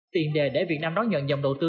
tiền đề để việt nam đón nhận dòng đầu tư